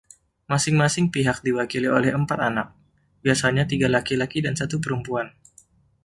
Masing-masing pihak diwakili oleh empat anak, biasanya tiga laki-laki dan satu perempuan.